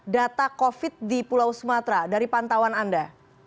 data covid di pulau sumatera dari pantauan anda